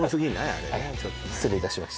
アッハ失礼いたしました